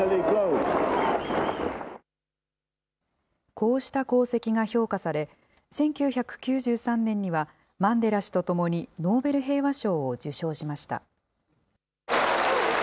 こうした功績が評価され、１９９３年には、マンデラ氏とともにノーベル平和賞を受賞しました。